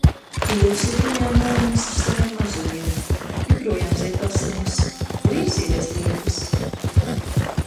Pīles joprojām noņemas ar saviem mazuļiem. Joprojām zied kastaņas. Drīz ziedēs liepas.